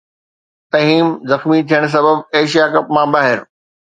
تميم زخمي ٿيڻ سبب ايشيا ڪپ مان ٻاهر